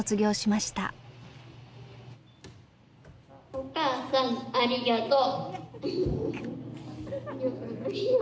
「お母さんありがとう」。